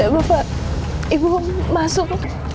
bapak ibu masuk